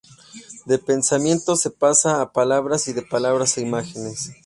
De pensamiento se pasa a palabras y de palabras a imágenes.